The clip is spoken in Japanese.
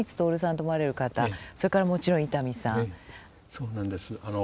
そうなんです。